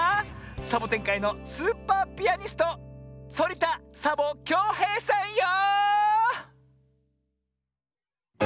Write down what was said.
サボテンかいのスーパーピアニストそりた・サボ・きょうへいさんよ！